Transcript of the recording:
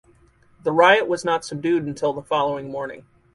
The riot was not subdued until the following morning.